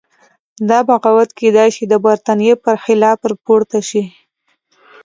دا بغاوت کېدای شي د برتانیې په خلاف راپورته شي.